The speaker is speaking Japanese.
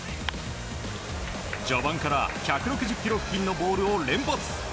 序盤から１６０キロ付近のボールを連発。